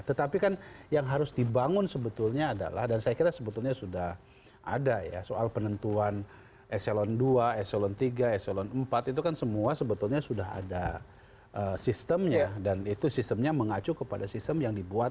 tetapi kan yang harus dibangun sebetulnya adalah dan saya kira sebetulnya sudah ada ya soal penentuan eselon dua eselon tiga eselon empat itu kan semua sebetulnya sudah ada sistemnya dan itu sistemnya mengacu kepada sistem yang dibuat